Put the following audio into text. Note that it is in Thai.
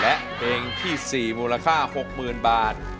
และเพลงที่๔มูลค่า๖๐๐๐บาท